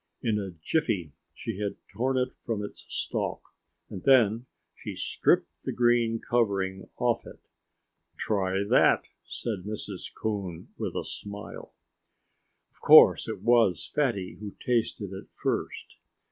In a jiffy she had torn it from its stalk. And then she stripped the green covering off it. "Try that!" said Mrs. Coon with a smile. Of course it was Fatty who tasted it first.